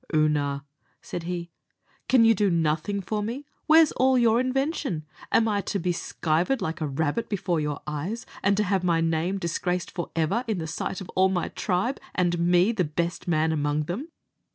"Oonagh," said he, "can you do nothing for me? Where's all your invention? Am I to be skivered like a rabbit before your eyes, and to have my name disgraced forever in the sight of all my tribe, and me the best man among them?